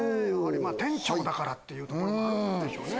店長だからっていうところもあるんでしょうね。